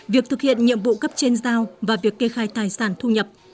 việc thực hiện nhiệm vụ cấp trên giao và việc kê khai tài sản thu nhập